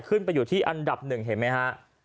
ขึ้นไปอยู่ที่อันดับหนึ่งเห็นไหมฮะ